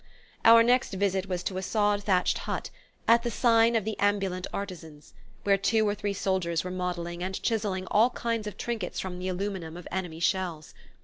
Our next visit was to a sod thatched hut, "At the sign of the Ambulant Artisans," where two or three soldiers were modelling and chiselling all kinds of trinkets from the aluminum of enemy shells.